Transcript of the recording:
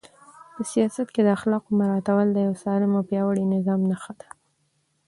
په سیاست کې د اخلاقو مراعاتول د یو سالم او پیاوړي نظام نښه ده.